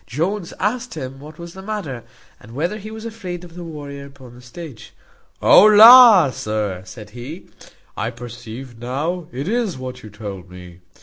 Jones asked him what was the matter, and whether he was afraid of the warrior upon the stage? "O la! sir," said he, "I perceive now it is what you told me.